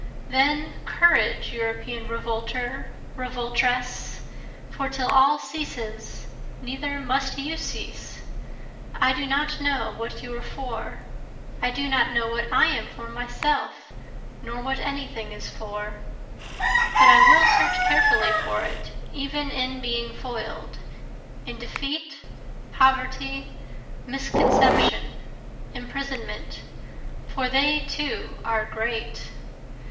Then courage European revolter, revoltress! For till all ceases neither must you cease. I do not know what you are for, (I do not know what I am for myself, nor what any thing is for,) But I will search carefully for it even in being foil'd, In defeat, poverty, misconception, imprisonment for they too are great.